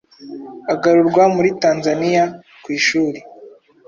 agarurwa muri tanzaniya kwishuri.